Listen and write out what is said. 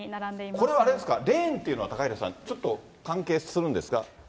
これはあれですか、レーンでいうと、高平さん、ちょっと関係するんですか？